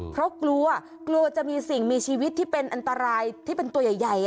เพราะกลัวกลัวจะมีสิ่งมีชีวิตที่เป็นอันตรายที่เป็นตัวใหญ่